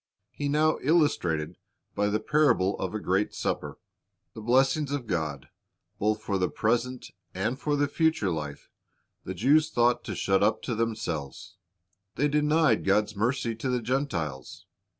He now illustrated by the parable of a great supper. The blessings of God, both for the present and for the future life, the Jews thought to shut up to themselves. They denied God's mercy to the Gentiles.